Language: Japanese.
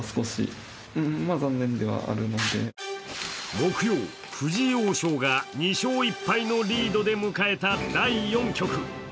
木曜、藤井王将が２勝１敗のリードで迎えた第４局。